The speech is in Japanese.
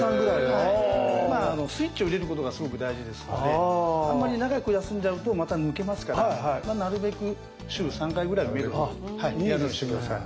スイッチを入れることがすごく大事ですのであんまり長く休んじゃうとまた抜けますからなるべく週３回ぐらいはやるようにして下さい。